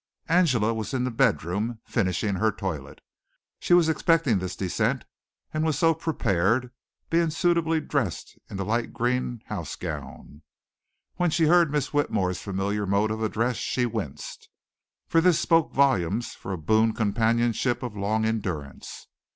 Angela was in the bedroom finishing her toilet. She was expecting this descent and so was prepared, being suitably dressed in the light green house gown. When she heard Miss Whitmore's familiar mode of address she winced, for this spoke volumes for a boon companionship of long endurance.